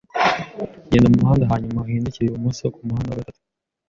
Genda mumuhanda hanyuma uhindukire ibumoso kumuhanda wa gatatu.